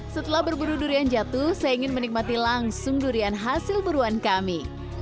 setelah berburu durian jatuh saya ingin menikmati langsung durian hasil buruan kami